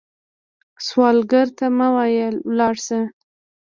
سوالګر ته مه وايئ “لاړ شه”